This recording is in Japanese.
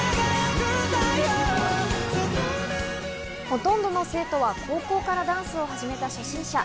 ほとんどの生徒は高校からダンスを始めた初心者。